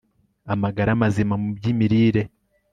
Amagara Mazima mu byImirire